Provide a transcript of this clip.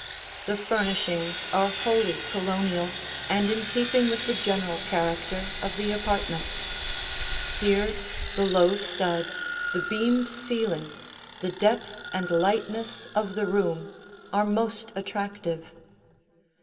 The furnishings are wholly Colonial and in keeping with the general character of the apartment. Here the low stud, the beamed ceiling, the depth and lightness of the room, are most attractive.